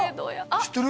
知ってる？